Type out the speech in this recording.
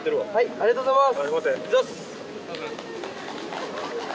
ありがとうございます！